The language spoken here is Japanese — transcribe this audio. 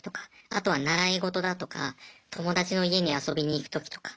あとは習い事だとか友達の家に遊びに行く時とか。